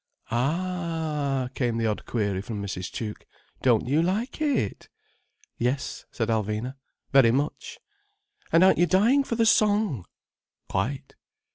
"Ah h?" came the odd query from Mrs. Tuke. "Don't you like it?" "Yes," said Alvina. "Very much." "And aren't you dying for the song?" "Quite."